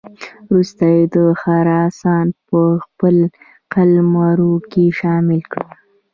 وروسته یې خراسان په خپل قلمرو کې شامل کړ.